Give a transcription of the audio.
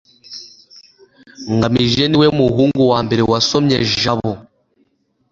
ngamije niwe muhungu wambere wasomye jabo